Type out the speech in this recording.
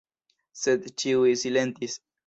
Sed ĉiuj silentis.